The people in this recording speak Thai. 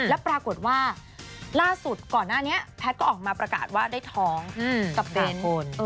แล้วปรากฏว่าล่าสุดก่อนหน้านี้แพทย์ก็ออกมาประกาศว่าได้ท้องกับเบนทน